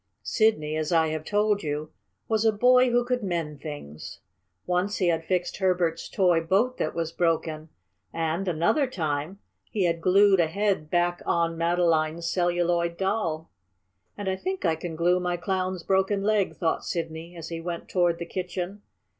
Sidney, as I have told you, was a boy who could mend things. Once he had fixed Herbert's toy boat that was broken, and, another time, he had glued a head back on Madeline's Celluloid Doll. "And I think I can glue my Clown's broken leg," thought Sidney, as he went toward the kitchen.